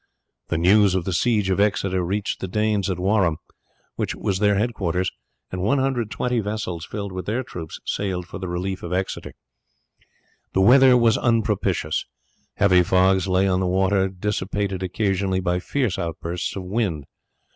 The news of the siege of Exeter reached the Danes at Wareham, which was their head quarters, and 120 vessels filled with their troops sailed for the relief of Exeter. The weather was unpropitious, heavy fogs lay on the water, dissipated occasionally by fierce outbursts of wind.